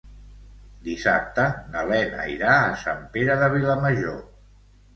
Dissabte na Lena irà a Sant Pere de Vilamajor.